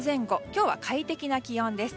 今日は快適な気温です。